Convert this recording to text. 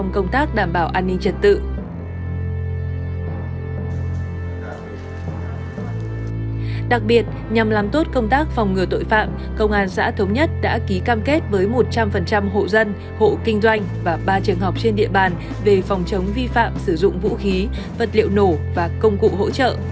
công tác phòng ngừa tội phạm công an xã thống nhất đã ký cam kết với một trăm linh hộ dân hộ kinh doanh và ba trường học trên địa bàn về phòng chống vi phạm sử dụng vũ khí vật liệu nổ và công cụ hỗ trợ